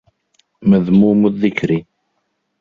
مَذْمُومُ الذِّكْرِ